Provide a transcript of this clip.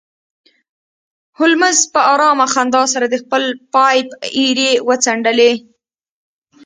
هولمز په ارامه خندا سره د خپل پایپ ایرې وڅنډلې